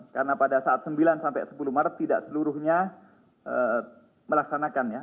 karena pada saat sembilan sepuluh maret tidak seluruhnya melaksanakan ya